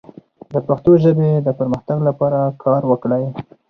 د پښتو ژبې د پرمختګ لپاره کار وکړئ.